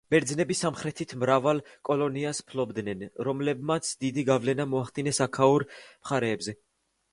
ბერძნები სამხრეთით მრავალ კოლონიას ფლობდნენ, რომლებმაც დიდი გავლენა მოახდინეს აქაურ მხარეებზე.